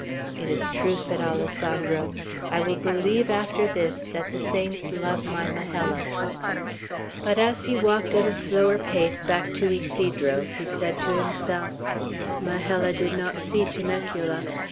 "It is true," said Alessandro. "I will believe, after this, that the saints love my Majella." But as he walked at a slower pace back to Ysidro, he said to himself: "Majella did not see Temecula.